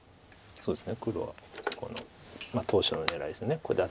そうですね。